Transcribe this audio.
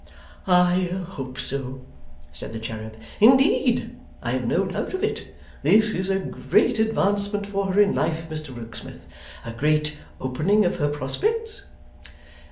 'I hope so,' said the cherub. 'Indeed, I have no doubt of it. This is a great advancement for her in life, Mr Rokesmith. A great opening of her prospects?